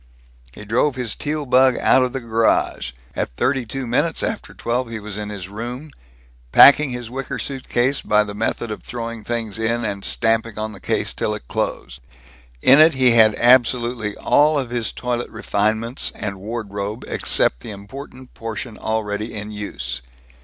He drove his Teal bug out of the garage. At thirty two minutes after twelve he was in his room, packing his wicker suitcase by the method of throwing things in and stamping on the case till it closed. In it he had absolutely all of his toilet refinements and wardrobe except the important portion already in use.